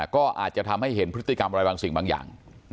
ก็อาจจะทำให้เห็นพฤติกรรมอะไรบางสิ่งบางอย่าง